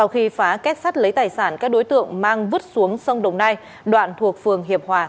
khối một mươi hai trở lại trường